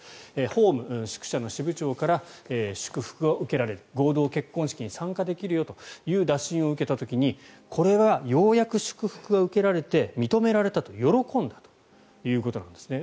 ホーム、宿舎の支部長から祝福を受けられる合同結婚式に参加できるよという打診を受けた時にこれはようやく祝福が受けられて認められたと喜んだということなんですね。